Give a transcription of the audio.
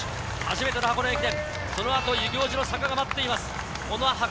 初めての箱根駅伝、このあと遊行寺の坂が待っています。